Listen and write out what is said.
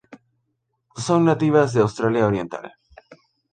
Son nativas de Australia oriental.